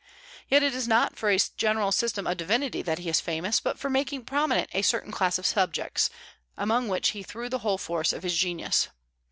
Yet it is not for a general system of divinity that he is famous, but for making prominent a certain class of subjects, among which he threw the whole force of his genius.